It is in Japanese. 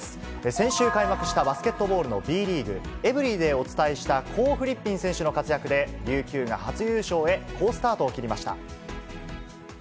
先週開幕したバスケットボールのＢリーグ、エブリィでお伝えしたコー・フリッピン選手の活躍で、琉球が初優勝へ、好スタートを切りました。